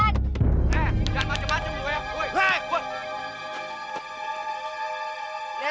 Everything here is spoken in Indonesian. eh jangan macem macem gue yang